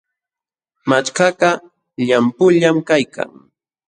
Machkakaq llampullam kaykan.